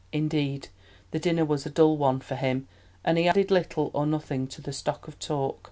Indeed, the dinner was a dull one for him, and he added little or nothing to the stock of talk.